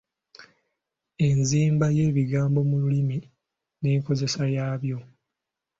Enzimba yebigambo mu lulimi n’enkozesa yabyo.